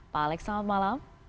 pak alex selamat malam